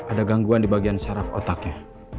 ada gangguan di bagian syaraf otaknya